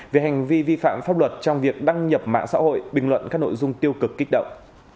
về hành vi vi phạm pháp luật trong việc đăng nhập mạng xã hội bình luận các nội dung tiêu cực kích động